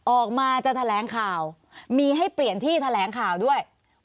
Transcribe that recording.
ออกมาจะแถลงข่าวมีให้เปลี่ยนที่แถลงข่าวด้วย